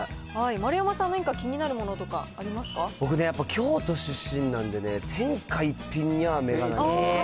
丸山さん、なにか気になるも僕ね、やっぱ京都出身なんでね、天下一品には目がない。